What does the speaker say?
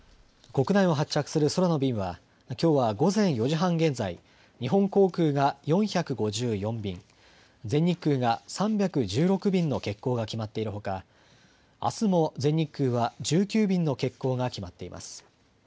国内を発着する空の便はきょうは午前４時半現在、日本航空が４５４便、全日空が３１６便の欠航が決まっているほかあすも全日空は１９便の欠航が決まっています。